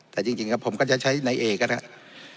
แต่จริงผมก็จะใช้ไนเอก็นะครับ